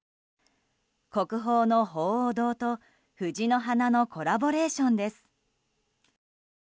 国宝の鳳凰堂と藤の花のコラボレーションです。